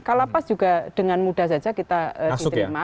kalau lapas juga dengan mudah saja kita masuk ya